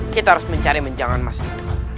kita harus mencari menjangan mas itu